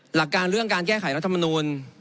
หลักการเรื่องการแก้ไขรัฐมนูล